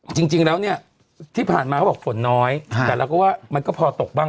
จริงแล้วเนี่ยที่ผ่านมาเขาบอกฝนน้อยแต่เราก็ว่ามันก็พอตกบ้าง